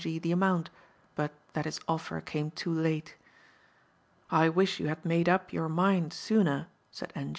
G." the amount but that his offer came too late. "I wish you had made up your mind sooner," said "N.